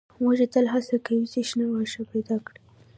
وزې تل هڅه کوي چې شنه واښه پیدا کړي